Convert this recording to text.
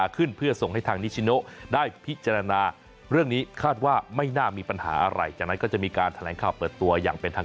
คือไม่แค่ทีมชุดใหญ่นะ